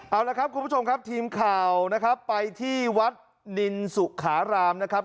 เอาละครับคุณผู้ชมครับทีมข่าวนะครับไปที่วัดนินสุขารามนะครับ